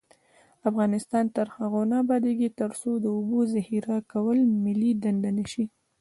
افغانستان تر هغو نه ابادیږي، ترڅو د اوبو ذخیره کول ملي دنده نشي.